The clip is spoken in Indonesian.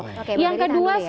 oke boleh ditangguhin ya